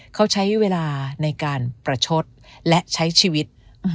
เขาใช้เวลาในการประชดและใช้ชีวิต